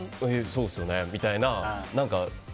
そうですね、みたいな。